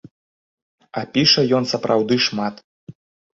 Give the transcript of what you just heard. А піша ён сапраўды шмат.